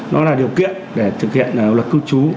nó là điều kiện để thực hiện luật cư trú